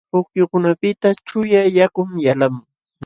Pukyukunapiqta chuyaq yakun yalqamun.